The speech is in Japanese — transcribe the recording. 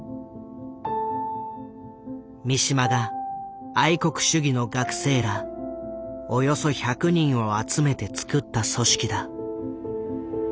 三島が愛国主義の学生らおよそ１００人を集めてつくった組織だ。